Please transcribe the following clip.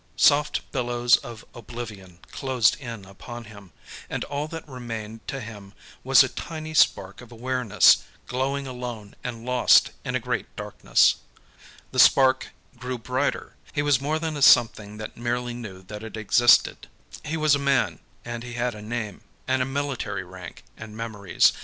Soft billows of oblivion closed in upon him, and all that remained to him was a tiny spark of awareness, glowing alone and lost in a great darkness. The Spark grew brighter. He was more than a something that merely knew that it existed. He was a man, and he had a name, and a military rank, and memories.